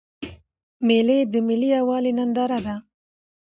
مېلې د ملي یوالي ننداره ده.